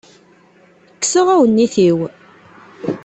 Kkseɣ awennit-iw.